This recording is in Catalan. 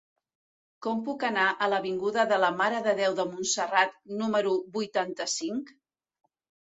Com puc anar a l'avinguda de la Mare de Déu de Montserrat número vuitanta-cinc?